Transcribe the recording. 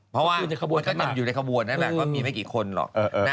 เพราะว่ามันก็อยู่ในขบวนนะแบบว่ามีไม่กี่คนหรอก